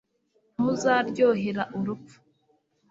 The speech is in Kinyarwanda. Ntuzaryohera urupfu